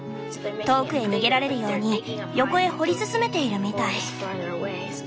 遠くへ逃げられるように横へ掘り進めているみたい。